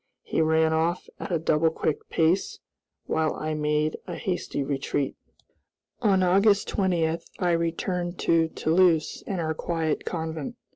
He ran off at a double quick pace, while I made a hasty retreat. On August 20, I returned to Toulouse and our quiet convent.